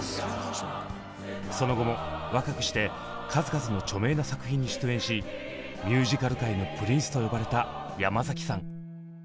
その後も若くして数々の著名な作品に出演し「ミュージカル界のプリンス」と呼ばれた山崎さん。